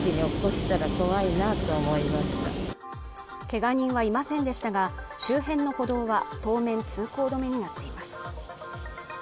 けが人はいませんでしたが周辺の歩道は当面通行止めになっています